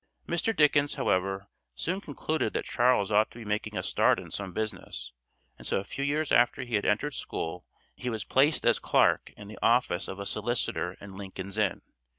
Mr. Dickens, however, soon concluded that Charles ought to be making a start in some business, and so a few years after he had entered school he was placed as clerk in the office of a solicitor in Lincoln's Inn.